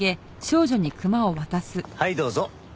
はいどうぞ。